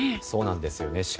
そうなんですね。